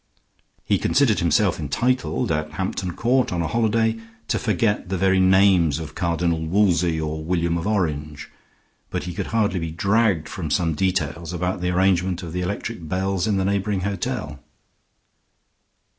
He considered himself entitled, at Hampton Court on a holiday, to forget the very names of Cardinal Wolsey or William of Orange; but he could hardly be dragged from some details about the arrangement of the electric bells in the neighboring hotel.